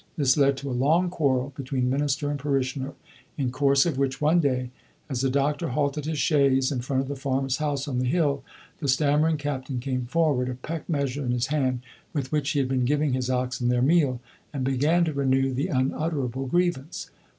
This led to a long quarrel between minister and parishioner, in course of which, one day, as the doctor halted his chaise in front of the farmer's house on the hill, the stammering captain came forward, a peck measure in his hand, with which he had been giving his oxen their meal, and began to renew the unutterable grievance.